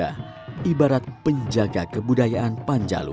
ganda suganda ibarat penjaga kebudayaan panjalu